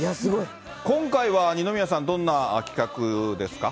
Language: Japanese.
今回は二宮さん、どんな企画ですか。